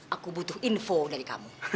aku butuh info dari kamu